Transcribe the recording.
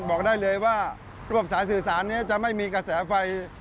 บอกได้เลยว่าระบบสายสื่อสารนี้จะไม่มีกระแสไฟ